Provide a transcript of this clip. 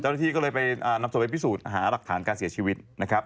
เจ้าหน้าที่ก็เลยไปนำศพไปพิสูจน์หาหลักฐานการเสียชีวิตนะครับ